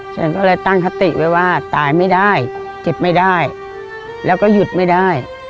ฉันก็เลยตั้งคติไว้ว่าตายไม่ได้เจ็บไม่ได้แล้วก็หยุดไม่ได้